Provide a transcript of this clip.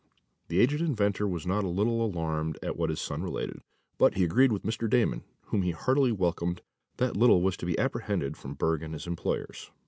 The aged inventor was not a little alarmed at what his son related, but he agreed with Mr. Damon, whom he heartily welcomed, that little was to be apprehended from Berg and his employers.